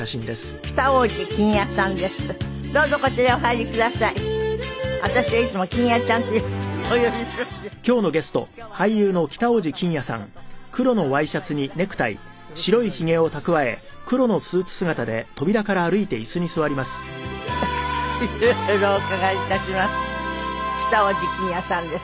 北大路欣也さんです。